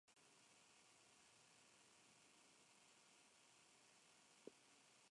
Del grupo destaca su carismático líder, Jarvis Cocker, uno de los estandartes del britpop.